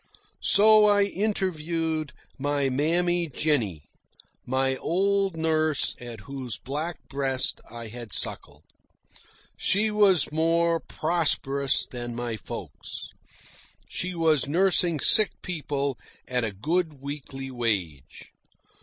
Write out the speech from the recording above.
So I interviewed my Mammy Jennie, my old nurse at whose black breast I had suckled. She was more prosperous than my folks. She was nursing sick people at a good weekly wage.